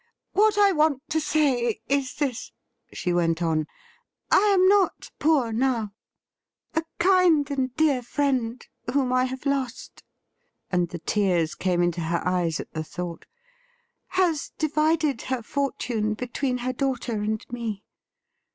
' What I want to say is this,' she went on :' I am not poor now. A kind and dear friend whom I have lost '— and the tears came into her eyes at the thought —' has divided her fortune between her daughter and me.